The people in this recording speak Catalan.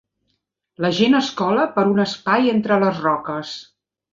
La gent es cola per un espai entre les roques.